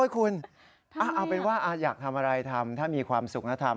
คุณเอาเป็นว่าอยากทำอะไรทำถ้ามีความสุขแล้วทำ